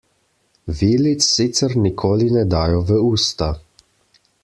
Vilic sicer nikoli ne dajo v usta.